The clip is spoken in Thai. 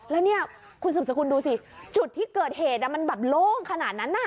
แล้วเนี่ยคุณสืบสกุลดูสิจุดที่เกิดเหตุมันแบบโล่งขนาดนั้น